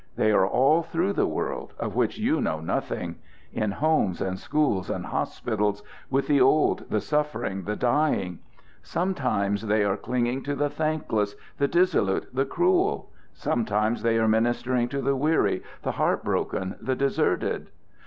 They are all through the world, of which you know nothing in homes, and schools, and hospitals; with the old, the suffering, the dying. Sometimes they are clinging to the thankless, the dissolute, the cruel; sometimes they are ministering to the weary, the heart broken, the deserted.